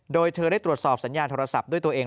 โดยเธอได้ตรวจสอบสัญญาณโทรศัพท์ด้วยตัวเอง